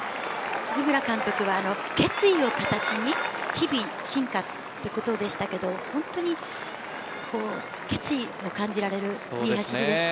監督は決意を形に日々進化ということでしたが決意を感じるいい走りでした。